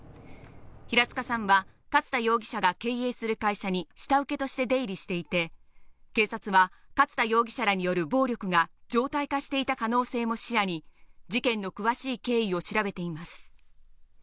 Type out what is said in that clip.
平塚さんは勝田容疑者が経営する会社に下請けとして出入りしていて、警察は、勝田容疑者らによる暴力が常態化していた可能性も視野に事件の詳しい経緯を調べています。